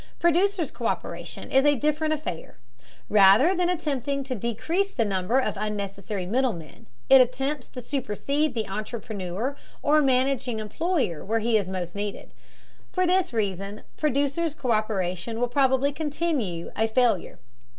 Producers' co÷peration is a different affair. Rather than attempting to decrease the number of unnecessary middlemen, it attempts to supersede the entrepreneur or managing employer where he is most needed. For this reason producers' co÷peration will probably continue a failure.